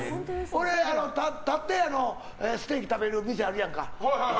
俺、立ってステーキ食べる店あるやんか。